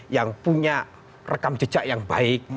yang punya rekam jejak yang baik